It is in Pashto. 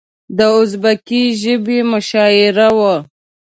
د ازبکي ژبې مشاعره وه.